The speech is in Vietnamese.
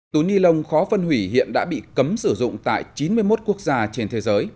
túi ni lông khó phân hủy hiện đã bị cấm sử dụng tại chín mươi một quốc gia trên thế giới